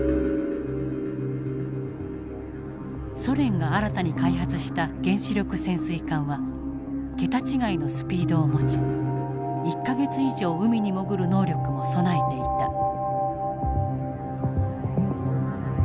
ソ連が新たに開発した原子力潜水艦は桁違いのスピードを持ち１か月以上海に潜る能力も備えていた。